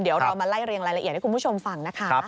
เดี๋ยวเรามาไล่เรียงรายละเอียดให้คุณผู้ชมฟังนะคะ